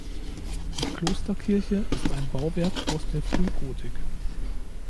Die Klosterkirche ist ein Bauwerk aus der Frühgotik.